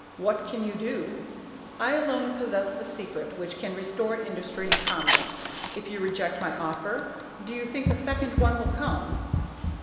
"What can you do? I alone possess the secret which can restore industry and commerce. If you reject my offer, do you think a second one will come?"